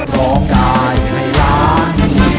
ร้องได้ให้ล้าน